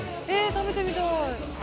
食べてみたい何？